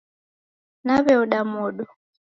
Naw'eoda modo.